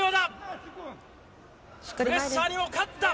プレッシャーにも勝った。